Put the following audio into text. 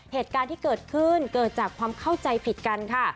เหตุการณ์ที่เกิดขึ้นเกิดจากความเข้าใจผิดกันค่ะ